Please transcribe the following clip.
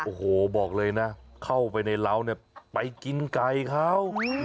โอ้โหบอกเลยนะเข้าไปในเหล้าเนี่ยไปกินไก่เขา